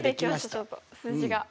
ちょっと数字が。